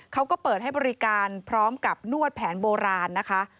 เขาก็เปิดให้บริการพร้อมกับนวดแผนโบราณนะคะ